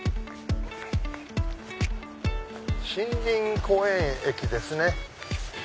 森林公園駅ですね。